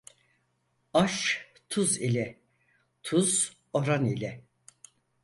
Aş tuz ile, tuz oran ile.